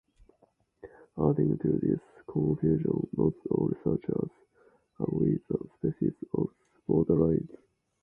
Adding to this confusion not all researchers agree the specifics of the boundaries.